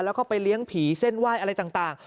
แล้วก็ไปเลี้ยงผีเส้นไหว้อะไรต่าง